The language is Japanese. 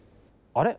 あれ？